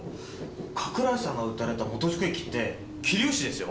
加倉井さんが撃たれた本宿駅って桐生市ですよ！